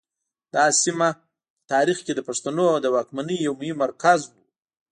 دا سیمه په تاریخ کې د پښتنو د واکمنۍ یو مهم مرکز و